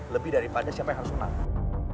lebih daripada siapa yang harus menang